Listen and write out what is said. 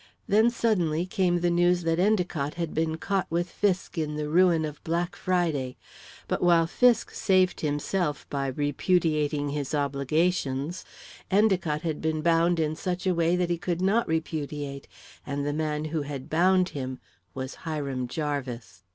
Then, suddenly, came the news that Endicott had been caught with Fisk in the ruin of Black Friday; but while Fisk saved himself by repudiating his obligations, Endicott had been bound in such a way that he could not repudiate and the man who had bound him was Hiram Jarvis."